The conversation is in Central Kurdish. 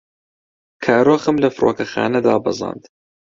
کارۆخم لە فڕۆکەخانە دابەزاند.